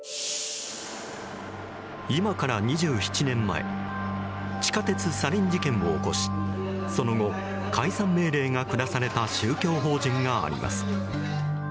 今から２７年前地下鉄サリン事件を起こしその後、解散命令が下された宗教法人があります。